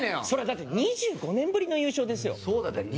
それはだって２５年ぶりの優勝ですよ。